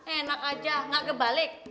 enak aja gak gebalik